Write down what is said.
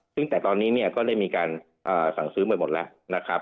ซึ่งแต่ตอนนี้ก็ได้มีการสั่งซื้อหมดและ